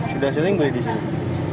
sudah sering beli di sini